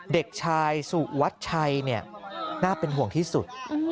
เด็กชายสุวัชชัยน่าเป็นห่วงที่สุด